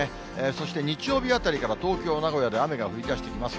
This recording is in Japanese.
そして日曜日あたりから東京、名古屋で雨が降りだしてきます。